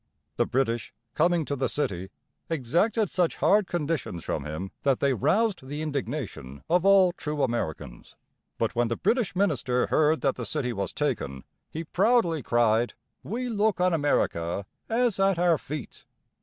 The British, coming to the city, exacted such hard conditions from him that they roused the indignation of all true Americans. But when the British minister heard that the city was taken, he proudly cried: "We look on America as at our feet!"